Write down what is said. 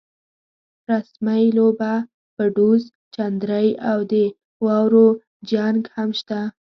رسمۍ لوبه، پډوس، چندرۍ او د واورو جنګ هم شته.